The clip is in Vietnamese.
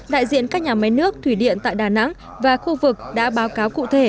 đại diện các nhà máy nước thủy điện tại đà nẵng và khu vực đã báo cáo cụ thể